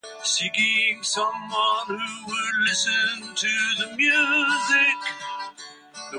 Another instant and the house would be alarmed.